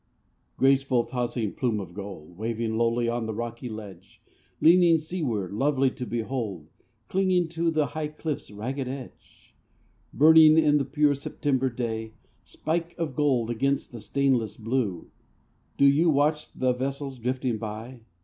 Graceful tossing plume of gold, Waving lowly on the rocky ledge; Leaning seaward, lovely to behold, Clinging to the high cliff's ragged edge; Burning in the pure September day, Spike of gold against the stainless blue, Do you watch the vessels drifting by?